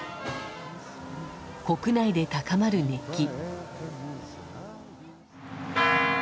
国内で高まる熱気。